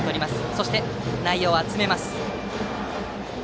そして、内野を集めます。